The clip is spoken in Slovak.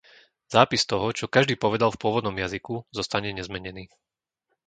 Zápis toho, čo každý povedal v pôvodnom jazyku, zostane nezmenený.